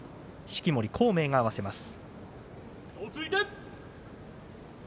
式守昂明が合わせます。